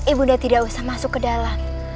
ibunda tidak usah masuk ke dalam